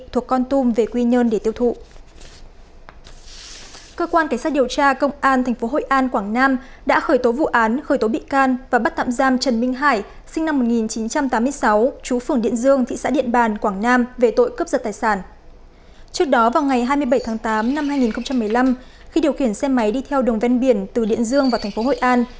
trước đó vào ngày hai mươi bảy tháng tám năm hai nghìn một mươi năm khi điều khiển xe máy đi theo đồng ven biển từ điện dương vào thành phố hội an